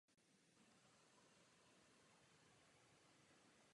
Některá média se za alternativní mohou sama ve svých publikacích označovat.